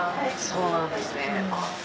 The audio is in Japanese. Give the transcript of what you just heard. そうなんですね。